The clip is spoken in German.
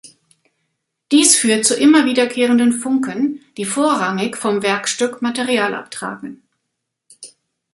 Dies führt zu immer wiederkehrenden Funken, die vorrangig vom Werkstück Material abtragen.